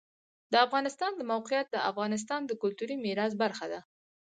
د افغانستان د موقعیت د افغانستان د کلتوري میراث برخه ده.